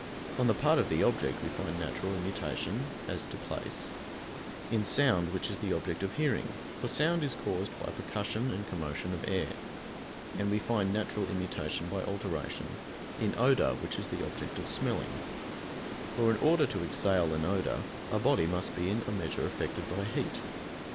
On the part of the object we find natural immutation, as to place, in sound which is the object of hearing; for sound is caused by percussion and commotion of air: and we find natural immutation by alteration, in odor which is the object of smelling; for in order to exhale an odor, a body must be in a measure affected by heat.